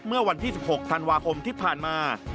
เมื่อวันที่๑๖ธันวาคมที่ผ่านมา